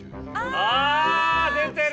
あぁ出てる！